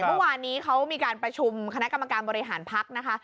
เมื่อวานนี้เขามีการประชุมคณะกรรมการบริหารพักนะคะ